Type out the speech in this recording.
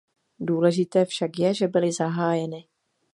Důležité však je, že byly zahájeny.